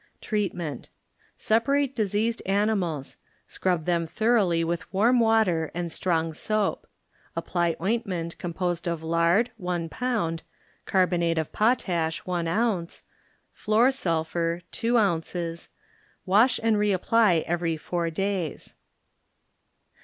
Treatment, ŌĆö Separate diseased ani mals; scrub them thoroughly with warm water and strong soap; apply ointment composed of lard, one pound ; carbonate of iKiiash, one ounce; flor. sulphur, two ounces; wash and re apply every four days.